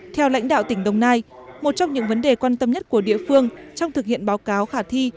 theo lãnh đạo tỉnh đồng nai một trong những vấn đề quan tâm nhất của địa phương trong thực hiện báo cáo khả thi